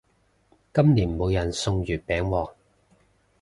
今年冇人送月餅喎